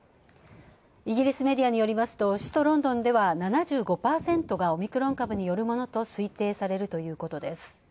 イギリスメディアによりますと、首都ロンドンでは７５％がオミクロン株によるものと推定されるということです。